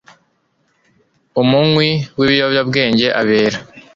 umunywi w'ibiyobyabwenge abera